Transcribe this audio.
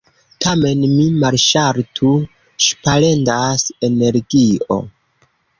Tamen mi malŝaltu, ŝparendas energio.